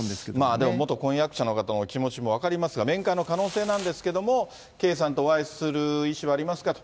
でも元婚約者の方の気持ちも分かりますが、面会の可能性なんですけれども、圭さんとお会いする意思はありますかと。